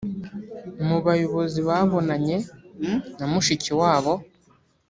Mu bayobozi babonanye na Mushikiwabo